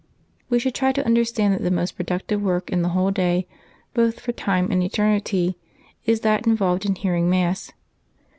— We should try to understand that the most productive work in the whole day, both for time and eternity, is that involved in hearing Mass.